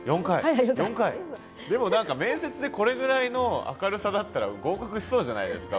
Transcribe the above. でも何か面接でこれぐらいの明るさだったら合格しそうじゃないですか。